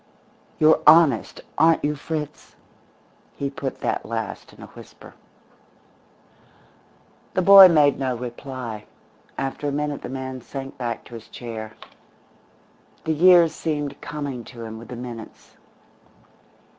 You're honest, aren't you, Fritz?" He put that last in a whisper. The boy made no reply; after a minute the man sank back to his chair. The years seemed coming to him with the minutes.